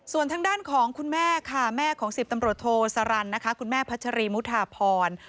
ส่วนทางด้านของคุณแม่ของ๑๐ตำรวจโทสารรันดร์